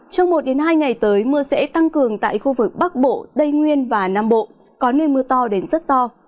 trong một hai ngày tới mưa sẽ tăng cường tại khu vực bắc bộ tây nguyên và nam bộ có nơi mưa to đến rất to